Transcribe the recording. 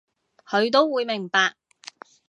佢都會明白